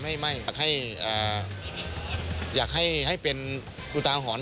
ไม่อยากให้เป็นตัวตาหอน